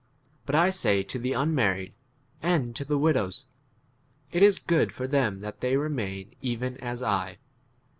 But I say to the unmarried and to the widows, It is good for them that 9 they remain even as I.